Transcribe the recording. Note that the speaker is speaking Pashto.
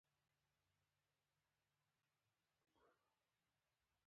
تر ډېره ځنډه ټول غلي وو.